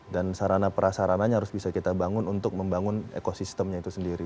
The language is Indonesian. dan sarana prasarananya harus bisa kita bangun untuk membangun ekosistemnya itu sendiri